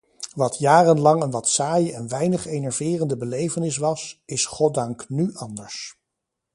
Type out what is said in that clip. Wat jarenlang een wat saaie en weinig enerverende belevenis was, is goddank nu anders.